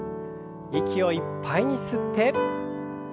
息をいっぱいに吸って。